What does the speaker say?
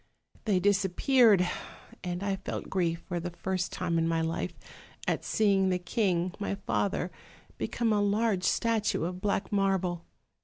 "They disappeared! and I felt grief for the first time in my life, at seeing the king, my father, become a large statue of black marble.